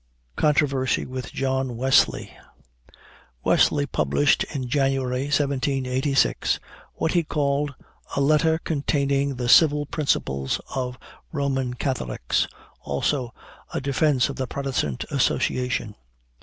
CONTROVERSY WITH JOHN WESLEY. Wesley published in January, 1786, what he called, "A Letter containing the Civil Principles of Roman Catholics;" also, "a Defence of the Protestant Association."